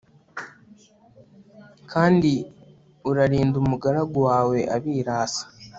kandi urarinde umugaragu wawe abirasi